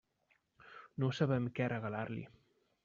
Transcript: No sabem què regalar-li.